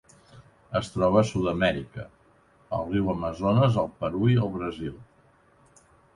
Es troba a Sud-amèrica: el riu Amazones al Perú i el Brasil.